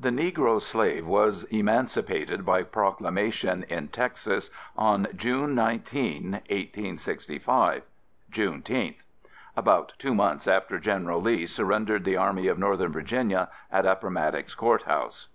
The Negro slave was emancipated by proclamation in Texas on June 19, 1865 (June'teenth), about two months after General Lee surrendered the Army of Northern Virginia at Appomattox Court House.